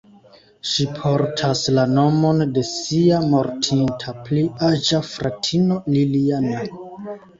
Ŝi portas la nomon de sia mortinta pli aĝa fratino Liljana.